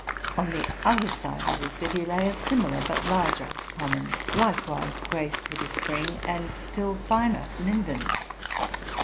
On the other side of the city lay a similar but larger common, likewise graced: with a spring and still finer lindens.